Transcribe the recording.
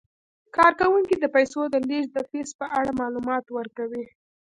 کارکوونکي د پیسو د لیږد د فیس په اړه معلومات ورکوي.